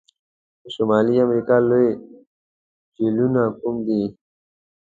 د شمالي امریکا لوی جهیلونو کوم دي؟